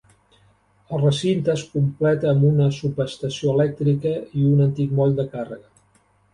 El recinte es completa amb una subestació elèctrica i un antic moll de càrrega.